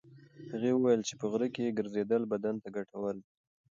هغه وویل چې په غره کې ګرځېدل بدن ته ګټور دي.